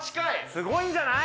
すごいんじゃない？